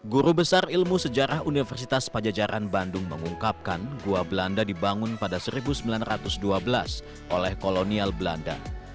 guru besar ilmu sejarah universitas pajajaran bandung mengungkapkan gua belanda dibangun pada seribu sembilan ratus dua belas oleh kolonial belanda